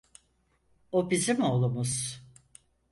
O bizim oğlumuz.